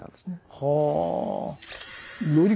はあ。